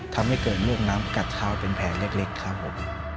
ทำให้เกิดเรื่องน้ำกัดเท้าเป็นแผลเล็กครับผม